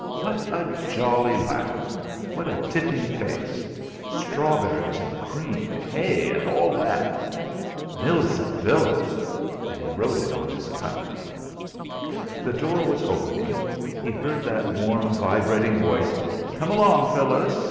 What a jolly laugh! What a tipping face strawberries and cream, hay, and all that! Millicent Villas!' And he wrote it on his cuff. The door was opening; he heard that warm vibrating voice: "Come along, Phyllis!"